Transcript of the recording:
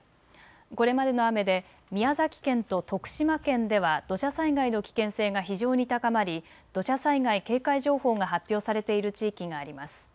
これまでの雨で宮崎県と徳島県では土砂災害の危険性が非常に高まり土砂災害警戒情報が発表されている地域があります。